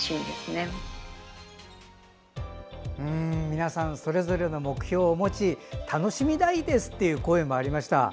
皆さんそれぞれの目標を持ち楽しみたいですという声もありました。